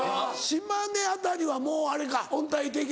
島根辺りはもうあれか温帯低気。